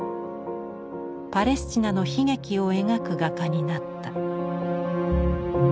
パレスチナの悲劇を描く画家になった。